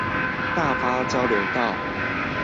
大發交流道